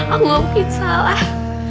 aku mungkin salah